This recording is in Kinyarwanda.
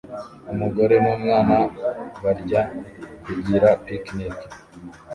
Umugore n'umwana barya (kugira picnic)